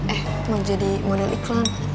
eh mau jadi model iklan